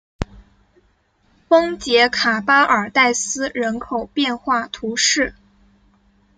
丰捷卡巴尔代斯人口变化图示